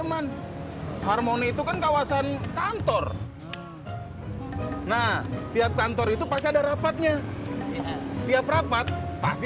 hanmoni itu kan kawasan kantor nah tiap kantor itu pasti ada rapatnya tiap rapat pasti